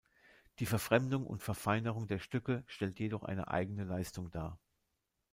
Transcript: Die Verfremdung und Verfeinerung der Stücke stellt jedoch eine eigene Leistung dar.